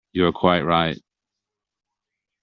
You are quite right.